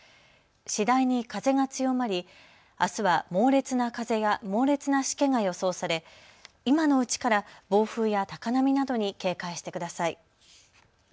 次第に風が強まり、あすは猛烈な風や猛烈なしけが予想され、今のうちから暴風や高波などに警戒してください。